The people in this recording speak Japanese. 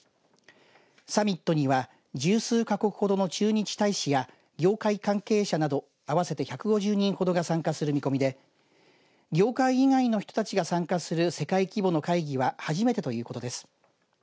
サミットには１０数か国ほどの駐日大使や業界関係者など合わせて１５０人ほどが参加する見込みで業界以外の人たちが参加する世界規模の会議は初めてということです。